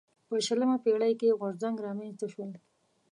په شلمه پېړۍ کې غورځنګ رامنځته شول.